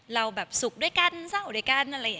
เราแบบสุขด้วยกันเศร้าด้วยกัน